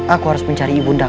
aku harus mencari ibu ndang